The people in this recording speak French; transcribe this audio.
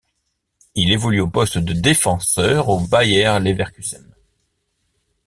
Il évolue au poste de défenseur au Bayer Leverkusen.